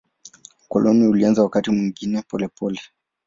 Ukoloni ulianza wakati mwingine polepole.